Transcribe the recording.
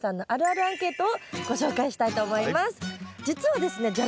実はですね